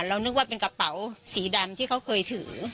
นึกว่าเป็นกระเป๋าสีดำที่เขาเคยถือ